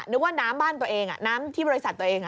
นึกว่าน้ำบ้านตัวเองน้ำที่บริษัทตัวเอง